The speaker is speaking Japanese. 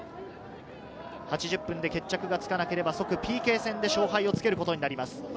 ８０分で決着がつかなければ即ＰＫ戦で勝敗をつけることになります。